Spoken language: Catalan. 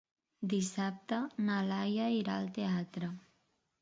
Dissabte na Laia irà al teatre.